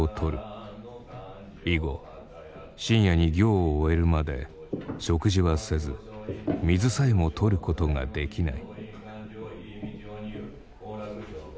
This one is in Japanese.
以後深夜に行を終えるまで食事はせず水さえもとることができない。